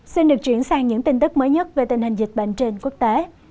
xin được chuyển sang những tin tức mới nhất về tình hình dịch bệnh trên quốc tế